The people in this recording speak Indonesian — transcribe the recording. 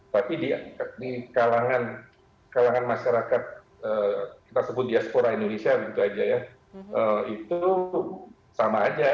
tapi di kalangan masyarakat kita sebut diaspora indonesia itu sama aja